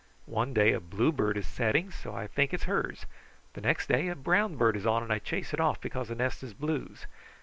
One day a blue bird is setting, so I think it is hers. The next day a brown bird is on, and I chase it off because the nest is blue's.